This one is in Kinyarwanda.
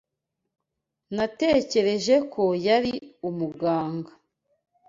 Natekereje ko yari umuganga.